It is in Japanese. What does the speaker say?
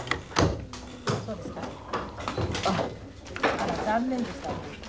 あら残念でした。